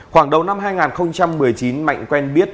khoảng đầu năm hai nghìn một mươi chín mạnh quen biết